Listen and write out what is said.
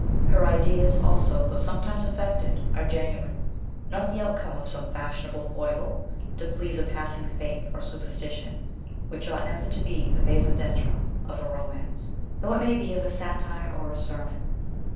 Her ideas, also, though sometimes affected, are genuine, not the outcome of some fashionable foible to please a passing faith or superstition, which ought never to be the raison d'etre of a romance, though it may be of a satire or a sermon..